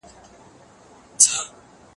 په پښو کې پڼې اچول یو شاعرانه انځور و.